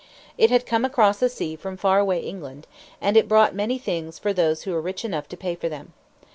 It had come across the sea from far away England, and it brought many things for those who were rich enough to pay for them.